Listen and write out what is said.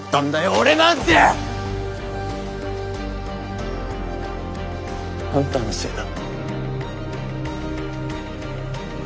俺なんて！あんたのせいだ。